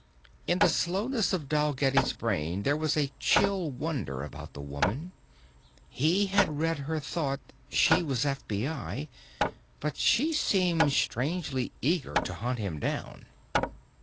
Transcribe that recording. In the slowness of Dalgetty's brain there was a chill wonder about the woman. He had read her thought, she was FBI, but she seemed strangely eager to hunt him down.